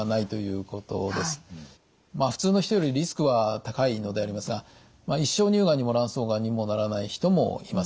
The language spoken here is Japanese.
まあ普通の人よりリスクは高いのでありますが一生乳がんにも卵巣がんにもならない人もいます。